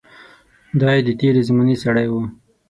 دای د تېرې زمانې سړی و.